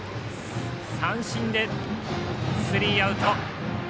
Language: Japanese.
三振で、スリーアウト。